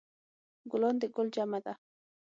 ګلان د ګل جمع ده